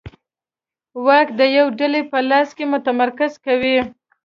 واک د یوې ډلې په لاس کې متمرکز کوي.